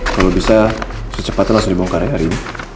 kalau bisa secepatnya langsung dibongkar hari ini